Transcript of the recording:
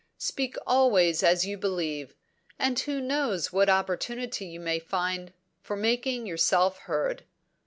Speak always as you believe, and who knows what opportunity you may find for making yourself heard!"